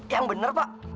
yang bener pak